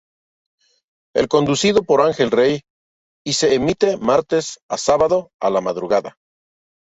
Es conducido por Ángel Rey y se emite martes a sábados a la madrugada.